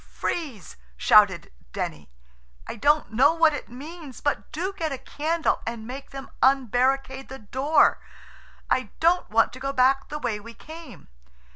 "Freeze," shouted Denny. "I don't know what it means but do get a candle and make them unbarricade the door. I don't want to go back the way we came."